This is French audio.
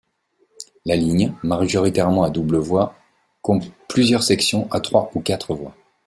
La ligne, majoritairement à double voie, compte plusieurs sections à trois ou quatre voies.